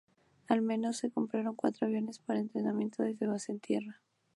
Al menos se compraron cuatro aviones para entrenamiento desde bases en tierra.